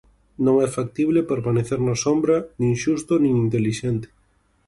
Non é factible permanecer na sombra, nin xusto, nin intelixente.